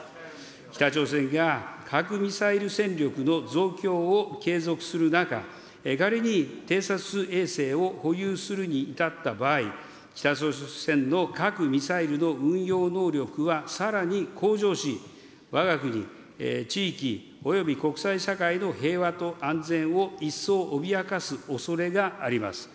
北朝鮮が核・ミサイル戦力の増強を継続する中、仮に偵察衛星を保有するに至った場合、北朝鮮の核・ミサイルの運用能力はさらに向上し、わが国、地域、および国際社会の平和と安全を一層脅かすおそれがあります。